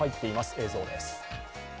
映像です。